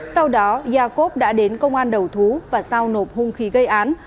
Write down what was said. sau đó iacob đã đến công an đầu thú và sau nộp hung khí gây án